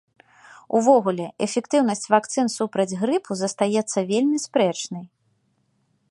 Увогуле, эфектыўнасць вакцын супраць грыпу застаецца вельмі спрэчнай.